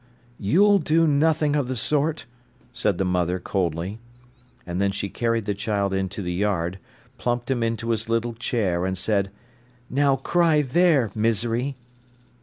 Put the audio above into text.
"You'll do nothing of the sort," said the mother coldly. And then she carried the child into the yard, plumped him into his little chair, and said: "Now cry there, Misery!"